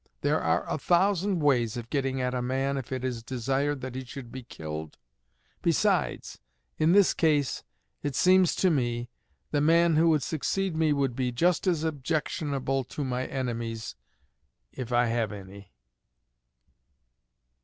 There are a thousand ways of getting at a man if it is desired that he should be killed. Besides, in this case, it seems to me, the man who would succeed me would be just as objectionable to my enemies if I have any."